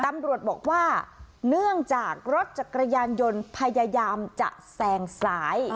ตำรวจบอกว่าเนื่องจากรถจักรยานยนต์พยายามจะแซงซ้าย